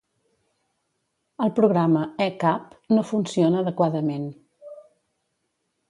El programa e-CAP no funciona adequadament.